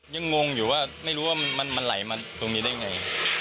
งงอยู่ว่าไม่รู้ว่ามันไหลมาตรงนี้ได้ไง